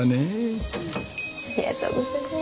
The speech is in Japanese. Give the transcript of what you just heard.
ありがとうございます。